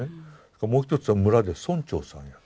もう一つは村で村長さんやって。